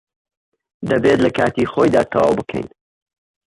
دەبێت لە کاتی خۆیدا تەواو بکەین.